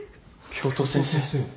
教頭先生。